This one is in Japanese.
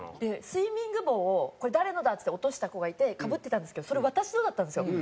スイミング帽をこれ誰のだって落とした子がいてかぶってたんですけどそれ私のだったんですよ。